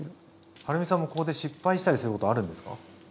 はるみさんもここで失敗したりすることあるんですか？